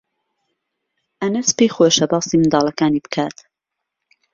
ئەنەس پێی خۆشە باسی منداڵەکانی بکات.